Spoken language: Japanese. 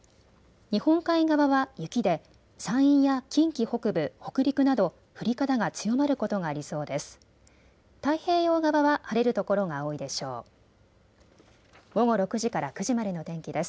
日本海側は雪で山陰や近畿北部、北陸など降り方が強まることがありそうです。